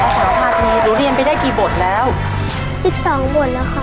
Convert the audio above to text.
สวัสดีครับ